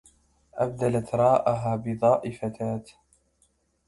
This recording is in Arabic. أبدلت راءها بظاء فتاة